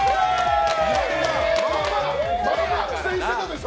まあまあ苦戦してたでしょ。